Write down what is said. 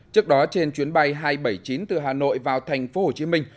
trước đó trên chuyến bay hai trăm bảy mươi chín từ hà nội vào thành phố hồ chí minh